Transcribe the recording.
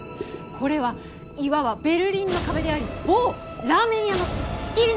これはいわばベルリンの壁であり某ラーメン屋の仕切りなんです！